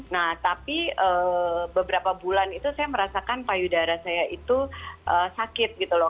nah tapi beberapa bulan itu saya merasakan payudara saya itu sakit gitu loh